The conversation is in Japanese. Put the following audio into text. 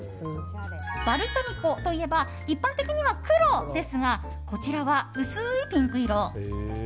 バルサミコといえば一般的には黒ですがこちらは薄いピンク色。